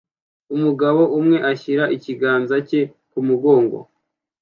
Umugabo umwe ashyira ikiganza cye kumugongo